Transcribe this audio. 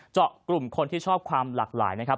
เจาะกลุ่มคนที่ชอบความหลากหลายนะครับ